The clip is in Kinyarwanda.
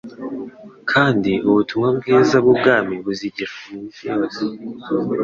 Kandi ubu butumwa bwiza bw'ubwami buzigishwa mu isi yose,